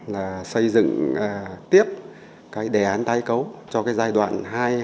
là xây dựng tiếp cái đề án tái cấu cho cái giai đoạn hai nghìn hai mươi một hai nghìn hai mươi